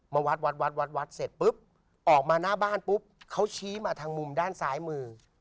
มาวัดวัดเสร็จปุ๊บออกมาหน้าบ้านปุ๊บเขาชี้มาทางมุมด้านซ้ายมือ